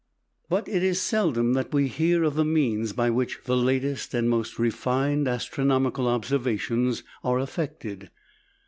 But it is seldom that we hear of the means by which the latest and most refined astronomical observations are effected.